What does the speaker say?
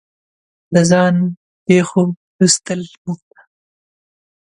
د ځان پېښو لوستل موږ ته